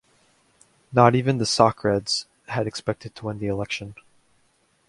Not even the Socreds had expected to win the election.